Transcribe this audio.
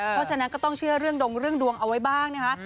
เพราะฉะนั้นก็ต้องเชื่อเรื่องดงเรื่องดวงเอาไว้บ้างนะคะ